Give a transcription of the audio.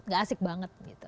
tidak asik banget